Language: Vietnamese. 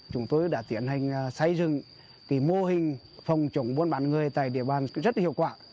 chúng tôi đã tiến hành xây dựng mô hình phòng chống buôn bán người tại địa bàn rất hiệu quả